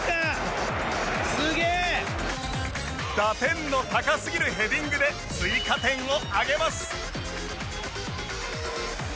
打点の高すぎるヘディングで追加点を挙げます